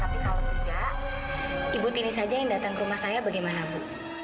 tapi kalau tidak ibu tini saja yang datang ke rumah saya bagaimana bu